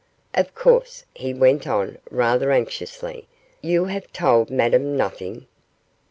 Of course,' he went on, rather anxiously, 'you have told Madame nothing?